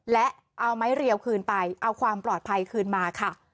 และเอาไม้เรียวคืนไปเอาความปลอดภัยคืนมาค่ะ